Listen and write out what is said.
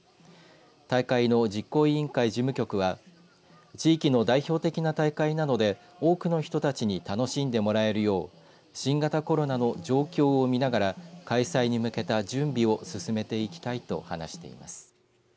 大会の実行委員会事務局は地域の代表的な大会なので多くの人たちに楽しんでもらえるよう新型コロナの状況を見ながら開催に向けた準備を進めていきたいと話しています。